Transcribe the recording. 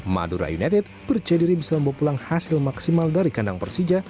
madura united percaya diri bisa membawa pulang hasil maksimal dari kandang persija